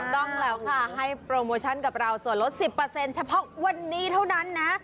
ต้องแล้วค่ะให้โปรโมชั่นกับเราส่วนลด๑๐เฉพาะวันนี้เท่านั้นนะ